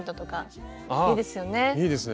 いいですね。